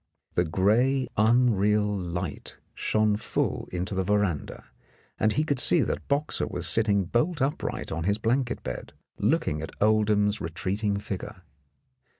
The grey unreal light shone full into the veranda, and he could see that Boxer was sitting bolt upright on his blanket bed, looking at Oldham's retreating figure.